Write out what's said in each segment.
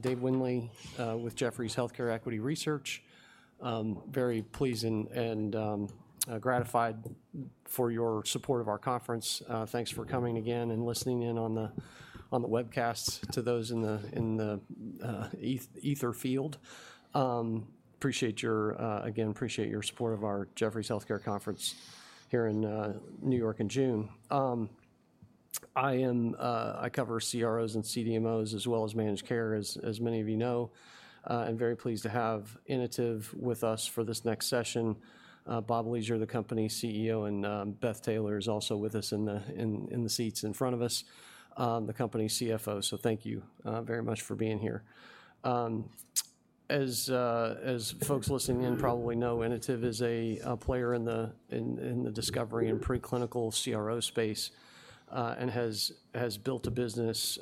Dave Windley, with Jefferies Healthcare Equity Research. Very pleased and gratified for your support of our conference. Thanks for coming again and listening in on the webcast to those in the ether field. Appreciate your, again, appreciate your support of our Jefferies Healthcare Conference here in New York in June. I cover CROs and CDMOs, as well as managed care, as many of you know. I'm very pleased to have Inotiv with us for this next session. Bob Leasure, the company CEO, and Beth Taylor is also with us in the seats in front of us, the company CFO. So thank you very much for being here. As folks listening in probably know, Inotiv is a player in the discovery and preclinical CRO space and has built a business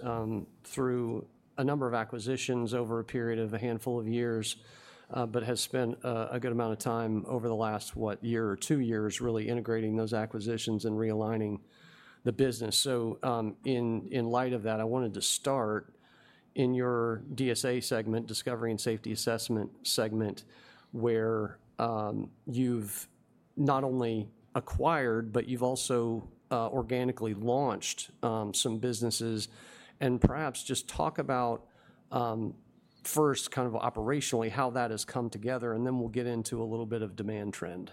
through a number of acquisitions over a period of a handful of years, but has spent a good amount of time over the last, what, year or two years really integrating those acquisitions and realigning the business. So in light of that, I wanted to start in your DSA segment, discovery and safety assessment segment, where you've not only acquired, but you've also organically launched some businesses. And perhaps just talk about, first, kind of operationally how that has come together, and then we'll get into a little bit of demand trend.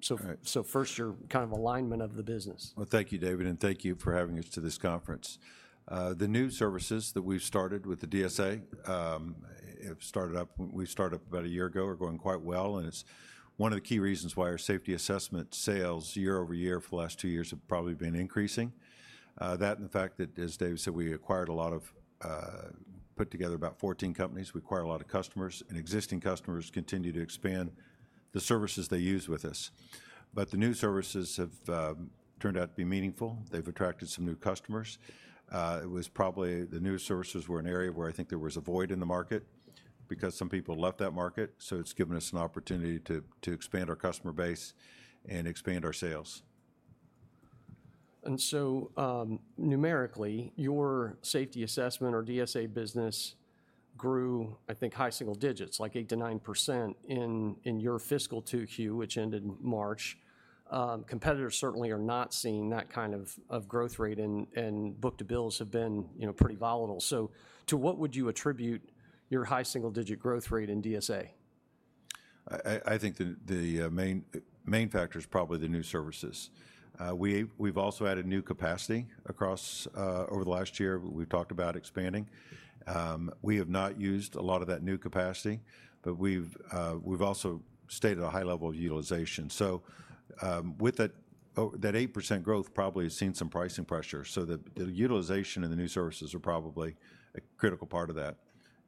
So first, your kind of alignment of the business. Well, thank you, David, and thank you for having us to this conference. The new services that we've started with the DSA, we started up about a year ago, are going quite well. It's one of the key reasons why our safety assessment sales year-over-year for the last two years have probably been increasing. That and the fact that, as David said, we acquired a lot of, put together about 14 companies, we acquired a lot of customers, and existing customers continue to expand the services they use with us. The new services have turned out to be meaningful. They've attracted some new customers. It was probably the new services were an area where I think there was a void in the market because some people left that market. It's given us an opportunity to expand our customer base and expand our sales. Numerically, your safety assessment or DSA business grew, I think, high single digits, like 8%-9% in your fiscal Q2, which ended March. Competitors certainly are not seeing that kind of growth rate, and book-to-bills have been pretty volatile. To what would you attribute your high single digit growth rate in DSA? I think the main factor is probably the new services. We've also added new capacity across over the last year. We've talked about expanding. We have not used a lot of that new capacity, but we've also stayed at a high level of utilization. So with that 8% growth, probably has seen some pricing pressure. So the utilization of the new services are probably a critical part of that.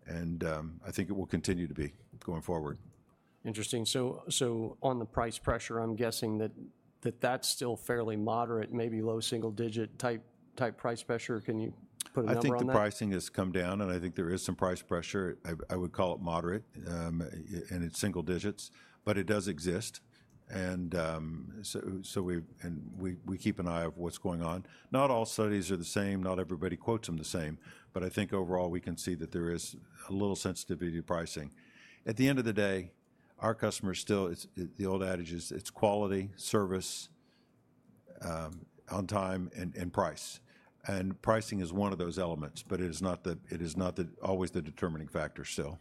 I think it will continue to be going forward. Interesting. So on the price pressure, I'm guessing that that's still fairly moderate, maybe low single digit type price pressure. Can you put a number on that? I think the pricing has come down, and I think there is some price pressure. I would call it moderate, and it's single digits, but it does exist. And so we keep an eye on what's going on. Not all studies are the same. Not everybody quotes them the same. But I think overall, we can see that there is a little sensitivity to pricing. At the end of the day, our customers still, the old adage is it's quality, service, on time, and price. And pricing is one of those elements, but it is not always the determining factor still.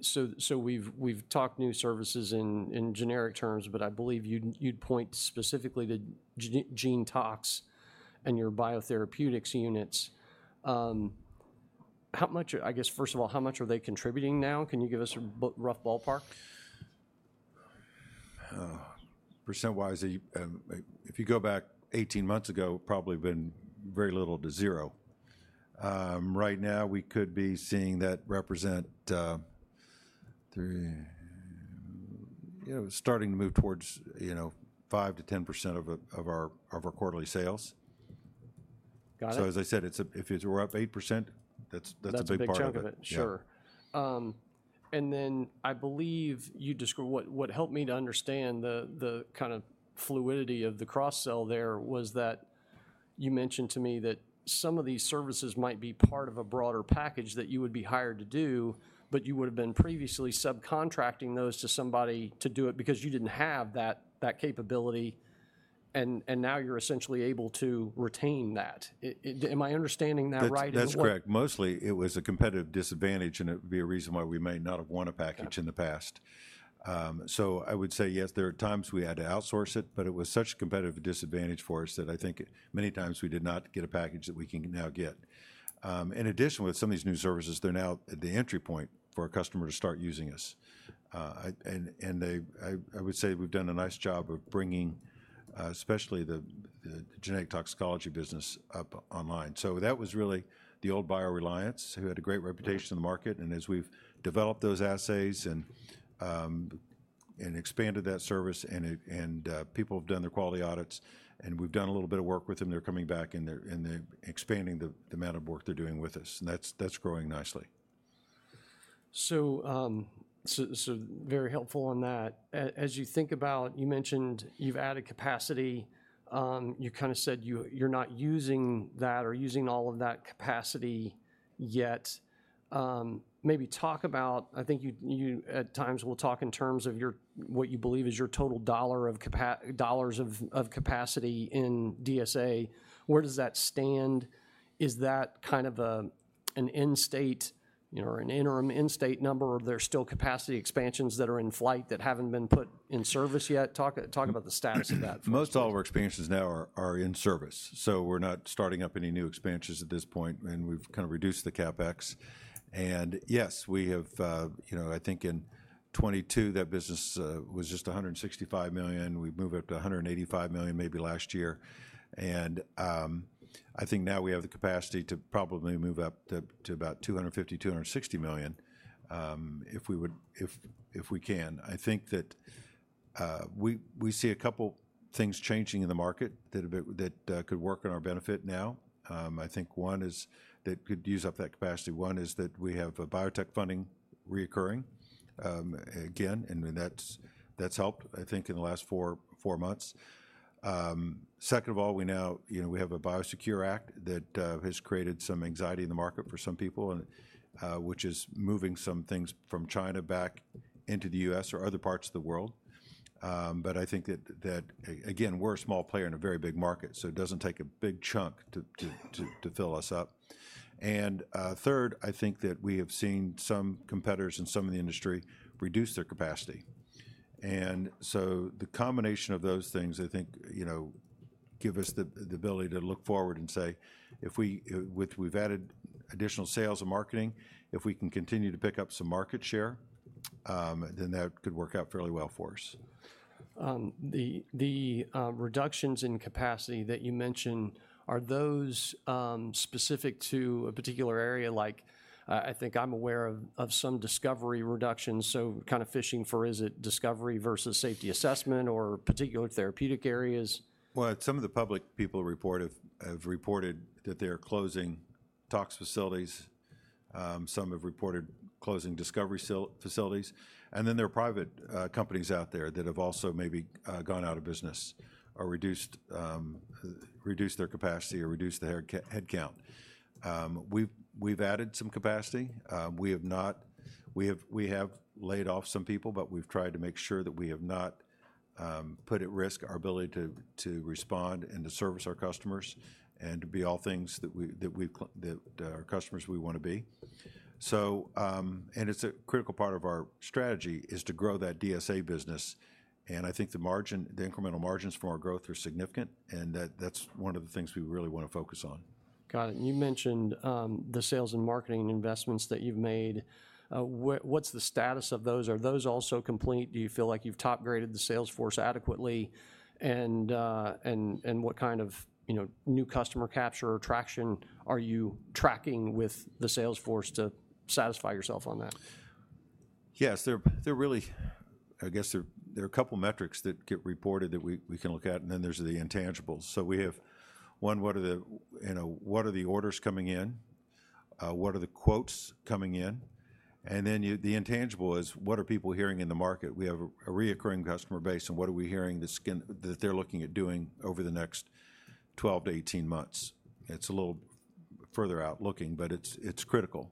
So we've talked new services in generic terms, but I believe you'd point specifically to GeneTox and your biotherapeutics units. How much, I guess, first of all, how much are they contributing now? Can you give us a rough ballpark? Percent-wise, if you go back 18 months ago, probably been very little to zero. Right now, we could be seeing that represent starting to move towards 5%-10% of our quarterly sales. So as I said, if we're up 8%, that's a big part of it. That's a big chunk of it. Sure. And then I believe you described what helped me to understand the kind of fluidity of the cross-sell there was that you mentioned to me that some of these services might be part of a broader package that you would be hired to do, but you would have been previously subcontracting those to somebody to do it because you didn't have that capability. And now you're essentially able to retain that. Am I understanding that right? That's correct. Mostly, it was a competitive disadvantage, and it would be a reason why we may not have won a package in the past. So I would say, yes, there are times we had to outsource it, but it was such a competitive disadvantage for us that I think many times we did not get a package that we can now get. In addition, with some of these new services, they're now at the entry point for a customer to start using us. And I would say we've done a nice job of bringing, especially the genetic toxicology business, up online. So that was really the old BioReliance, who had a great reputation in the market. As we've developed those assays and expanded that service, and people have done their quality audits, and we've done a little bit of work with them, they're coming back and they're expanding the amount of work they're doing with us. That's growing nicely. So very helpful on that. As you think about, you mentioned you've added capacity. You kind of said you're not using that or using all of that capacity yet. Maybe talk about, I think you at times will talk in terms of what you believe is your total dollar of capacity in DSA. Where does that stand? Is that kind of an end state or an interim end state number, or there's still capacity expansions that are in flight that haven't been put in service yet? Talk about the status of that. Most all of our expansions now are in service. So we're not starting up any new expansions at this point, and we've kind of reduced the CapEx. And yes, we have, I think in 2022, that business was just $165 million. We moved up to $185 million maybe last year. And I think now we have the capacity to probably move up to about $250-$260 million if we can. I think that we see a couple things changing in the market that could work in our benefit now. I think one is that could use up that capacity. One is that we have biotech funding reoccurring again, and that's helped, I think, in the last four months. Second of all, we now have a Biosecure Act that has created some anxiety in the market for some people, which is moving some things from China back into the U.S. or other parts of the world. But I think that, again, we're a small player in a very big market, so it doesn't take a big chunk to fill us up. And third, I think that we have seen some competitors in some of the industry reduce their capacity. And so the combination of those things, I think, give us the ability to look forward and say, if we've added additional sales and marketing, if we can continue to pick up some market share, then that could work out fairly well for us. The reductions in capacity that you mentioned, are those specific to a particular area? Like, I think I'm aware of some discovery reductions, so kind of fishing for, is it discovery versus safety assessment or particular therapeutic areas? Well, some of the public people have reported that they're closing tox facilities. Some have reported closing discovery facilities. And then there are private companies out there that have also maybe gone out of business or reduced their capacity or reduced the headcount. We've added some capacity. We have not, we have laid off some people, but we've tried to make sure that we have not put at risk our ability to respond and to service our customers and to be all things that our customers we want to be. And it's a critical part of our strategy is to grow that DSA business. And I think the incremental margins for our growth are significant, and that's one of the things we really want to focus on. Got it. You mentioned the sales and marketing investments that you've made. What's the status of those? Are those also complete? Do you feel like you've top-graded the sales force adequately? What kind of new customer capture or traction are you tracking with the sales force to satisfy yourself on that? Yes, they're really. I guess there are a couple metrics that get reported that we can look at, and then there's the intangibles. So we have, one, what are the orders coming in? What are the quotes coming in? And then the intangible is what are people hearing in the market? We have a recurring customer base, and what are we hearing that they're looking at doing over the next 12-18 months? It's a little further out looking, but it's critical.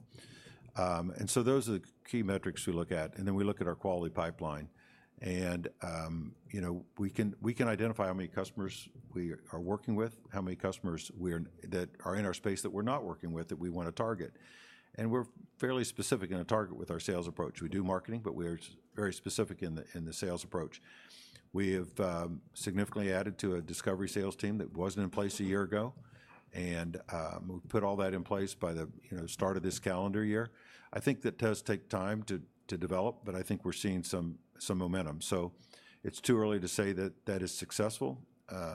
And so those are the key metrics we look at. And then we look at our quality pipeline. And we can identify how many customers we are working with, how many customers that are in our space that we're not working with that we want to target. And we're fairly specific in a target with our sales approach. We do marketing, but we are very specific in the sales approach. We have significantly added to a discovery sales team that wasn't in place a year ago. We've put all that in place by the start of this calendar year. I think that does take time to develop, but I think we're seeing some momentum. It's too early to say that that is successful,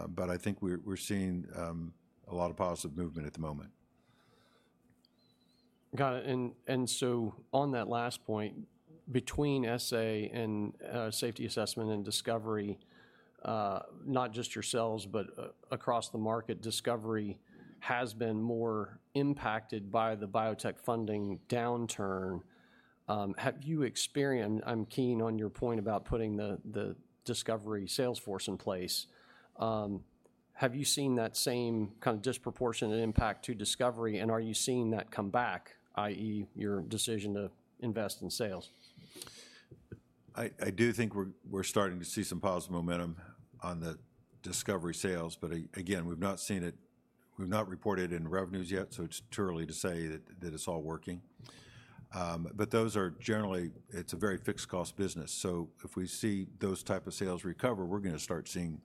but I think we're seeing a lot of positive movement at the moment. Got it. And so on that last point, between SA and safety assessment and discovery, not just yourselves, but across the market, discovery has been more impacted by the biotech funding downturn. Have you experienced? I'm keen on your point about putting the discovery sales force in place. Have you seen that same kind of disproportionate impact to discovery? And are you seeing that come back, i.e., your decision to invest in sales? I do think we're starting to see some positive momentum on the discovery sales, but again, we've not seen it, we've not reported it in revenues yet, so it's too early to say that it's all working. But those are generally, it's a very fixed cost business. So if we see those type of sales recover, we're going to start seeing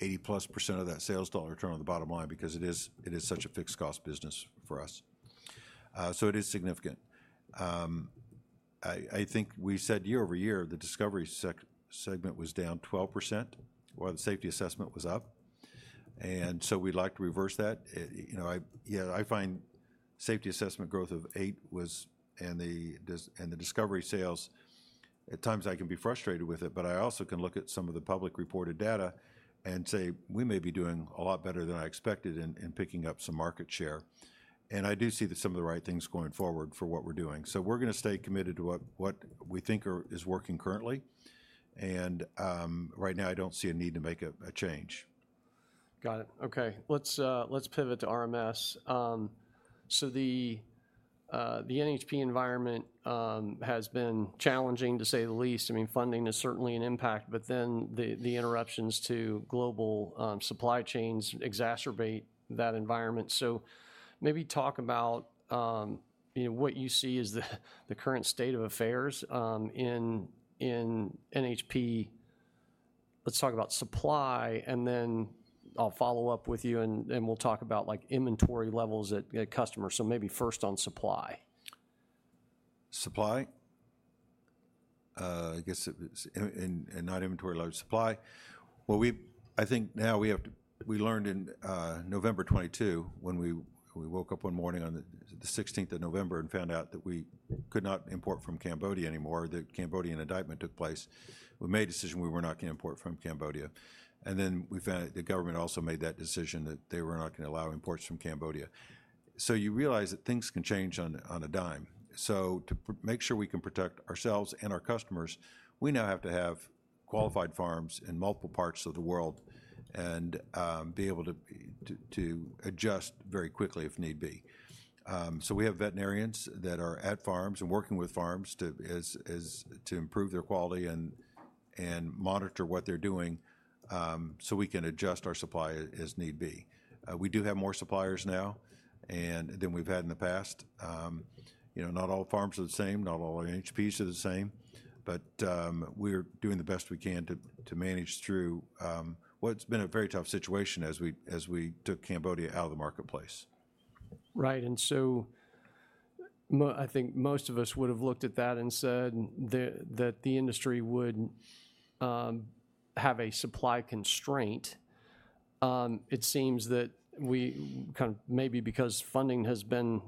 80%+ of that sales dollar return on the bottom line because it is such a fixed cost business for us. So it is significant. I think we said year-over-year, the discovery segment was down 12% while the safety assessment was up. And so we'd like to reverse that. Yeah, I find safety assessment growth of eight was, and the discovery sales, at times I can be frustrated with it, but I also can look at some of the public reported data and say, we may be doing a lot better than I expected in picking up some market share. And I do see some of the right things going forward for what we're doing. So we're going to stay committed to what we think is working currently. And right now, I don't see a need to make a change. Got it. Okay. Let's pivot to RMS. So the NHP environment has been challenging, to say the least. I mean, funding is certainly an impact, but then the interruptions to global supply chains exacerbate that environment. So maybe talk about what you see as the current state of affairs in NHP. Let's talk about supply, and then I'll follow up with you and we'll talk about inventory levels at customers. So maybe first on supply. Supply, I guess, and not inventory levels, supply. Well, I think now we learned in November 2022 when we woke up one morning on the 16th of November and found out that we could not import from Cambodia anymore, that Cambodian indictment took place. We made a decision we were not going to import from Cambodia. And then we found that the government also made that decision that they were not going to allow imports from Cambodia. So you realize that things can change on a dime. So to make sure we can protect ourselves and our customers, we now have to have qualified farms in multiple parts of the world and be able to adjust very quickly if need be. We have veterinarians that are at farms and working with farms to improve their quality and monitor what they're doing so we can adjust our supply as need be. We do have more suppliers now than we've had in the past. Not all farms are the same. Not all NHPs are the same. But we're doing the best we can to manage through what's been a very tough situation as we took Cambodia out of the marketplace. Right. And so I think most of us would have looked at that and said that the industry would have a supply constraint. It seems that kind of maybe because funding has been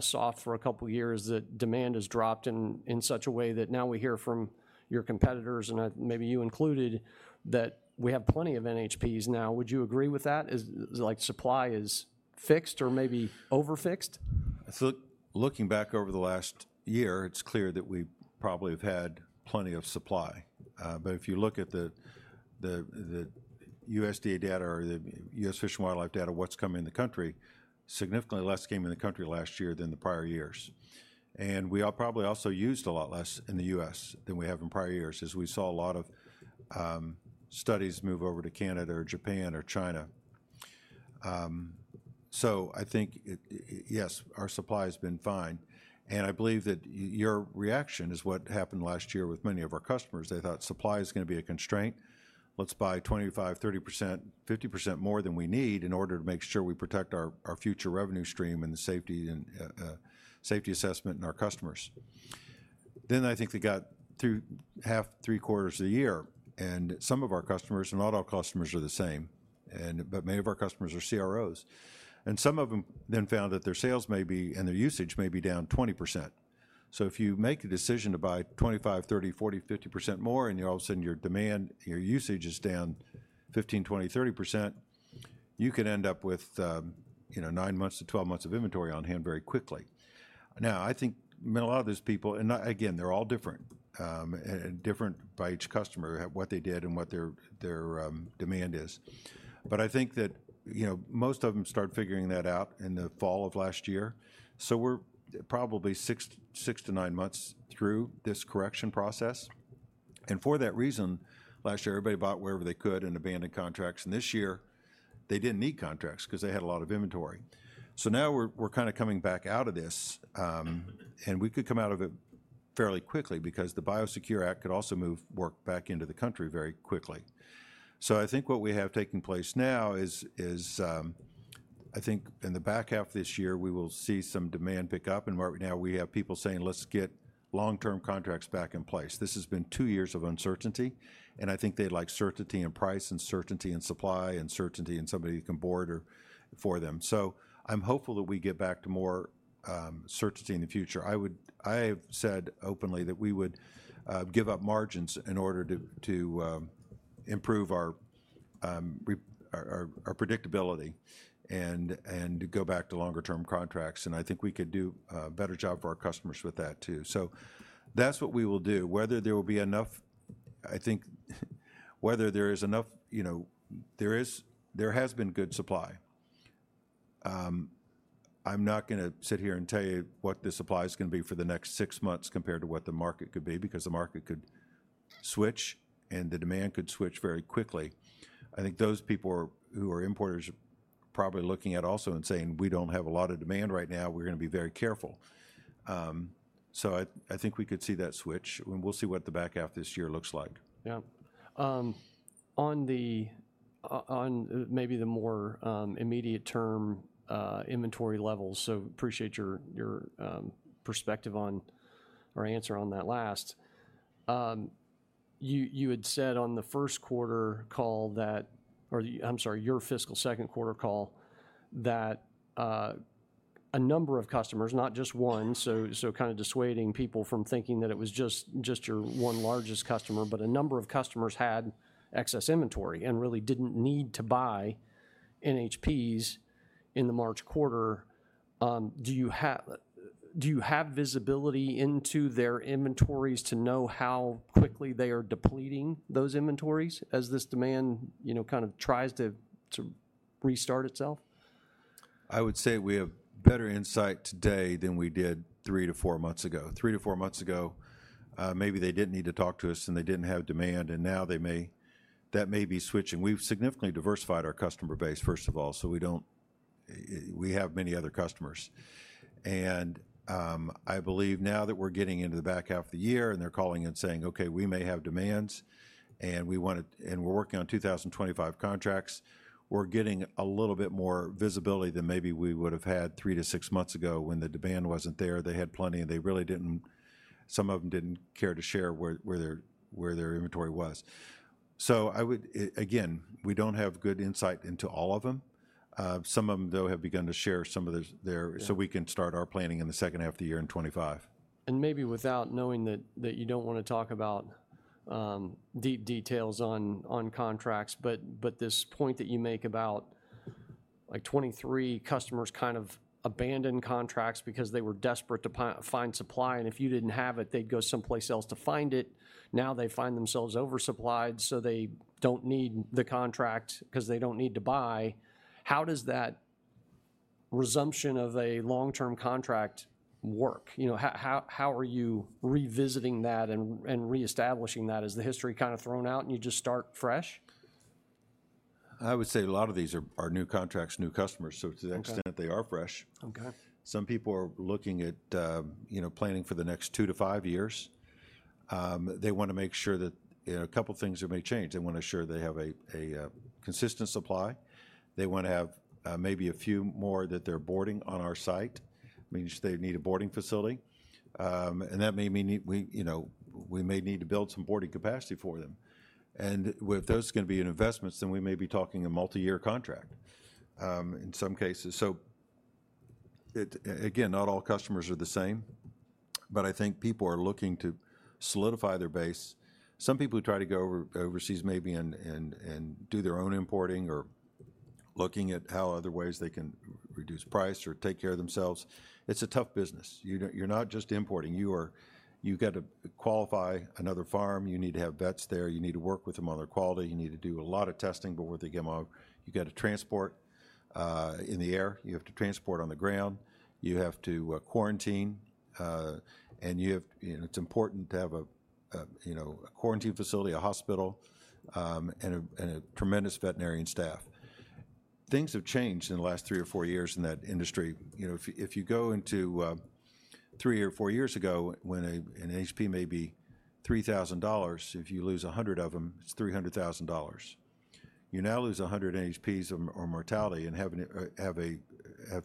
soft for a couple of years, that demand has dropped in such a way that now we hear from your competitors, and maybe you included, that we have plenty of NHPs now. Would you agree with that? Like supply is fixed or maybe overfixed? Looking back over the last year, it's clear that we probably have had plenty of supply. But if you look at the USDA data or the U.S. Fish and Wildlife data, what's coming in the country, significantly less came in the country last year than the prior years. And we probably also used a lot less in the U.S. than we have in prior years as we saw a lot of studies move over to Canada or Japan or China. So I think, yes, our supply has been fine. And I believe that your reaction is what happened last year with many of our customers. They thought supply is going to be a constraint. Let's buy 25%, 30%, 50% more than we need in order to make sure we protect our future revenue stream and the safety assessment and our customers. Then I think they got through half to three-quarters of the year, and some of our customers and not all customers are the same, but many of our customers are CROs. And some of them then found that their sales may be and their usage may be down 20%. So if you make a decision to buy 25%, 30%, 40%, 50% more, and all of a sudden your demand, your usage is down 15%, 20%, 30%, you can end up with nine months to 12 months of inventory on hand very quickly. Now, I think a lot of these people, and again, they're all different and different by each customer, what they did and what their demand is. But I think that most of them started figuring that out in the fall of last year. So we're probably six to nine months through this correction process. For that reason, last year, everybody bought wherever they could and abandoned contracts. This year, they didn't need contracts because they had a lot of inventory. So now we're kind of coming back out of this, and we could come out of it fairly quickly because the Biosecure Act could also move work back into the country very quickly. So I think what we have taking place now is, I think in the back half of this year, we will see some demand pick up. Right now we have people saying, let's get long-term contracts back in place. This has been two years of uncertainty, and I think they like certainty in price and certainty in supply and certainty in somebody who can board for them. So I'm hopeful that we get back to more certainty in the future. I have said openly that we would give up margins in order to improve our predictability and go back to longer-term contracts. And I think we could do a better job for our customers with that too. So that's what we will do. Whether there will be enough, I think, whether there is enough, there has been good supply. I'm not going to sit here and tell you what the supply is going to be for the next six months compared to what the market could be because the market could switch and the demand could switch very quickly. I think those people who are importers are probably looking at also and saying, we don't have a lot of demand right now. We're going to be very careful. So I think we could see that switch. And we'll see what the back half of this year looks like. Yeah. On maybe the more immediate-term inventory levels, so appreciate your perspective on or answer on that last. You had said on the first quarter call that, or I'm sorry, your fiscal second quarter call, that a number of customers, not just one, so kind of dissuading people from thinking that it was just your one largest customer, but a number of customers had excess inventory and really didn't need to buy NHPs in the March quarter. Do you have visibility into their inventories to know how quickly they are depleting those inventories as this demand kind of tries to restart itself? I would say we have better insight today than we did three to four months ago. Three to four months ago, maybe they didn't need to talk to us and they didn't have demand, and now that may be switching. We've significantly diversified our customer base, first of all, so we have many other customers. And I believe now that we're getting into the back half of the year and they're calling and saying, okay, we may have demands and we're working on 2025 contracts, we're getting a little bit more visibility than maybe we would have had three to six months ago when the demand wasn't there. They had plenty. Some of them didn't care to share where their inventory was. So again, we don't have good insight into all of them. Some of them, though, have begun to share some of their, so we can start our planning in the second half of the year in 2025. And maybe without knowing that you don't want to talk about deep details on contracts, but this point that you make about like 23 customers kind of abandoned contracts because they were desperate to find supply. And if you didn't have it, they'd go someplace else to find it. Now they find themselves oversupplied, so they don't need the contract because they don't need to buy. How does that resumption of a long-term contract work? How are you revisiting that and reestablishing that as the history kind of thrown out and you just start fresh? I would say a lot of these are new contracts, new customers. So to that extent, they are fresh. Some people are looking at planning for the next two to five years. They want to make sure that a couple of things that may change. They want to ensure they have a consistent supply. They want to have maybe a few more that they're boarding on our site. I mean, they need a boarding facility. And that may mean we may need to build some boarding capacity for them. And if those are going to be investments, then we may be talking a multi-year contract in some cases. So again, not all customers are the same, but I think people are looking to solidify their base. Some people try to go overseas maybe and do their own importing or looking at how other ways they can reduce price or take care of themselves. It's a tough business. You're not just importing. You got to qualify another farm. You need to have vets there. You need to work with them on their quality. You need to do a lot of testing before they get them out. You got to transport in the air. You have to transport on the ground. You have to quarantine. And it's important to have a quarantine facility, a hospital, and a tremendous veterinarian staff. Things have changed in the last three or four years in that industry. If you go into three or four years ago, when an NHP may be $3,000, if you lose 100 of them, it's $300,000. You now lose 100 NHPs or mortality and have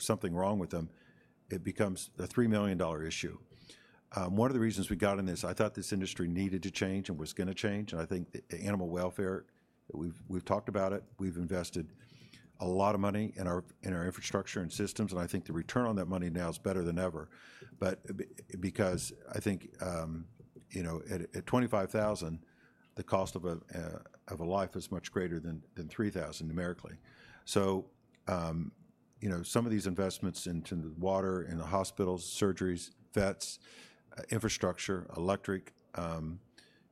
something wrong with them. It becomes a $3 million issue. One of the reasons we got in this, I thought this industry needed to change and was going to change. I think animal welfare; we've talked about it. We've invested a lot of money in our infrastructure and systems. I think the return on that money now is better than ever. But because I think at 25,000, the cost of a life is much greater than 3,000 numerically. So some of these investments into the water and the hospitals, surgeries, vets, infrastructure, electric,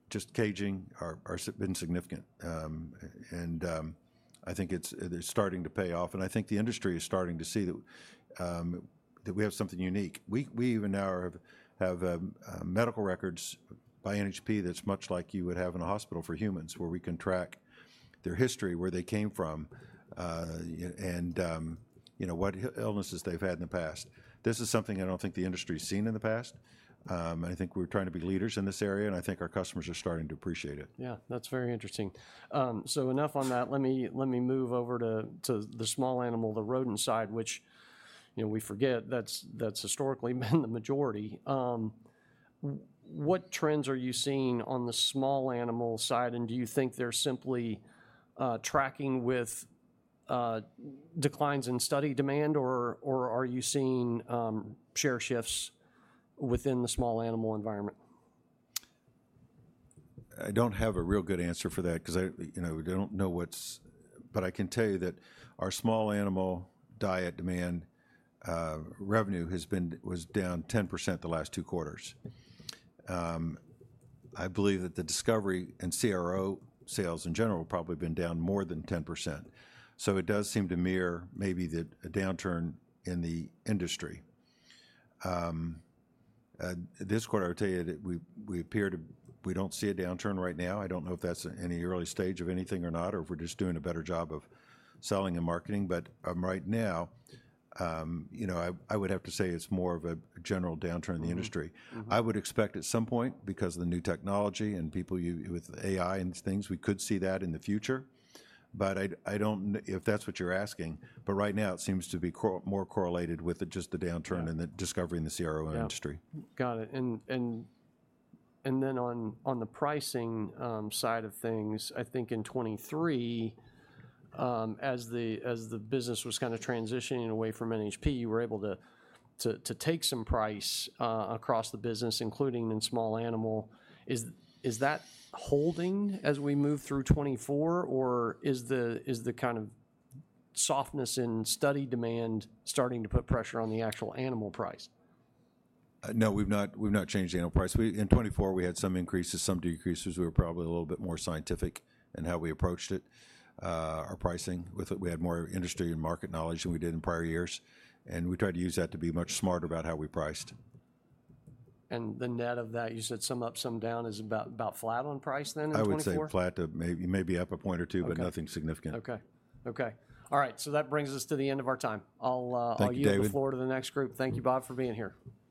just caging have been significant. I think it's starting to pay off. I think the industry is starting to see that we have something unique. We even now have medical records by NHP that's much like you would have in a hospital for humans where we can track their history, where they came from, and what illnesses they've had in the past. This is something I don't think the industry has seen in the past. I think we're trying to be leaders in this area, and I think our customers are starting to appreciate it. Yeah, that's very interesting. So enough on that. Let me move over to the small animal, the rodent side, which we forget that's historically been the majority. What trends are you seeing on the small animal side? And do you think they're simply tracking with declines in study demand, or are you seeing share shifts within the small animal environment? I don't have a real good answer for that because I don't know what's, but I can tell you that our small animal diet demand revenue was down 10% the last two quarters. I believe that the discovery and CRO sales in general have probably been down more than 10%. So it does seem to mirror maybe a downturn in the industry. This quarter, I would tell you that we appear to, we don't see a downturn right now. I don't know if that's in the early stage of anything or not, or if we're just doing a better job of selling and marketing. But right now, I would have to say it's more of a general downturn in the industry. I would expect at some point because of the new technology and people with AI and things, we could see that in the future. But if that's what you're asking, right now it seems to be more correlated with just the downturn and the discovery in the CRO industry. Got it. And then on the pricing side of things, I think in 2023, as the business was kind of transitioning away from NHP, you were able to take some price across the business, including in small animal. Is that holding as we move through 2024, or is the kind of softness in study demand starting to put pressure on the actual animal price? No, we've not changed the animal price. In 2024, we had some increases, some decreases. We were probably a little bit more scientific in how we approached it, our pricing. We had more industry and market knowledge than we did in prior years. We tried to use that to be much smarter about how we priced. The net of that, you said some up, some down is about flat on price then in 2024? I wouldn't say flat, maybe up a point or two, but nothing significant. Okay. Okay. All right. So that brings us to the end of our time. I'll yield the floor to the next group. Thank you, Bob, for being here.